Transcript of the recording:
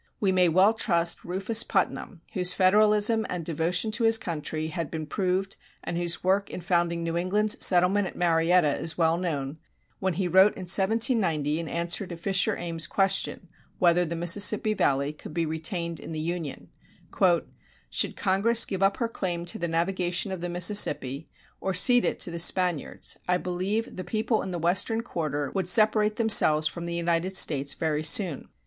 We may well trust Rufus Putnam, whose federalism and devotion to his country had been proved and whose work in founding New England's settlement at Marietta is well known, when he wrote in 1790 in answer to Fisher Ames's question whether the Mississippi Valley could be retained in the Union: "Should Congress give up her claim to the navigation of the Mississippi or cede it to the Spaniards, I believe the people in the Western quarter would separate themselves from the United States very soon.